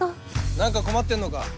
何か困ってんのか？